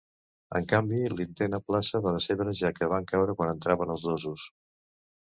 En canvi, l'intent a plaça va decebre, ja que va caure quan entraven els dosos.